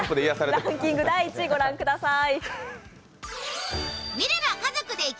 ランキング第１位ご覧ください。